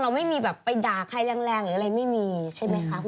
เราไม่มีแบบไปด่าใครแรงอะไรไม่มีใช่ไหมคะคุณแม่